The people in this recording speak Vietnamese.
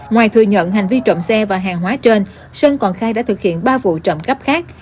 ngoài thừa nhận hành vi trộm xe và hàng hóa trên sơn còn khai đã thực hiện ba vụ trộm cắp khác